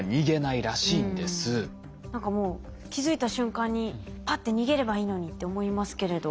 何かもう気付いた瞬間にパッて逃げればいいのにって思いますけれど。